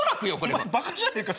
お前バカじゃねえか？